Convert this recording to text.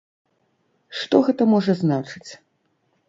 Што гэта можа значыць?